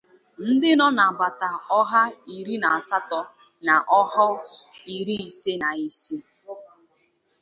ndị nọ n'agbata ahọ iri na asatọ na ahọ iri ise na isii.